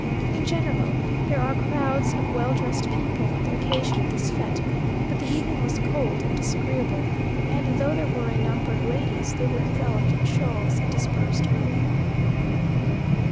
In general there are crowds of well dressed people on the occasion of this fête, but the evening was cold and disagreeable, and though there were a number of ladies, they were enveloped in shawls, and dispersed early.